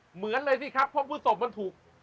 เหมือนเลยกับพฤษศพนี่การถูก